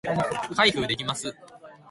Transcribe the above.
開封できます